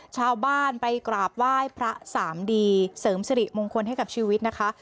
ชาวบ้านไปกราบไหว้พระสามดีเสริมสิริมงคลให้กับชีวิตนะคะ